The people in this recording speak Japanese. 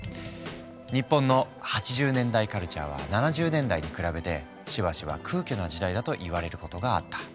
日本の８０年代カルチャーは７０年代に比べてしばしば空虚な時代だと言われることがあった。